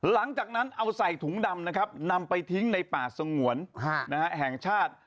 หลังจากนั้นเอาใส่ถุงดำนะครับนำไปทิ้งในป่าสงวนแห่งชาติ